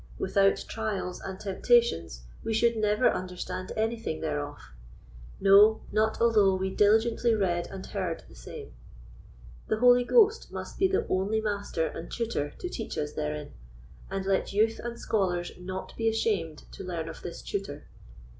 Without trials and temptations we should never understand anything thereof; no, not although we diligently read and heard the same. The Holy Ghost must be the only master and tutor to teach us therein, and let youth and scholars not be ashamed to learn of this tutor.